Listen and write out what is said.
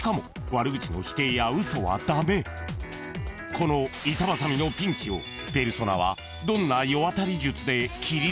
［この板挟みのピンチをペルソナは］